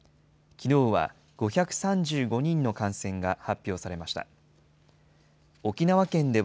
きのうは５３５人の感染が発表されました。